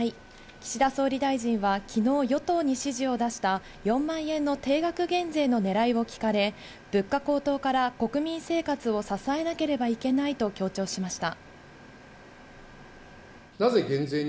岸田総理大臣はきのう与党に指示を出した４万円の定額減税の狙いを聞かれ、物価高騰から国民生活を支えなければいけないと強調しました。